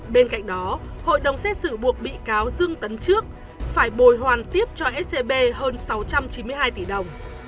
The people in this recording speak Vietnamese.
bên cạnh đó hội đồng xét xử buộc bị cáo dương tấn trước phải bồi hoàn tiếp cho scb hơn sáu trăm chín mươi hai tỷ đồng